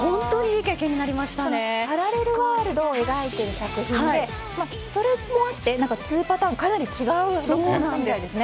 パラレルワールドを描いている作品で、それもあって２パターンかなり違うみたいですね。